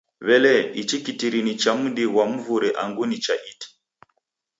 W'ele ichi kitiri ni cha mdi ghwa mvure angu ni cha iti?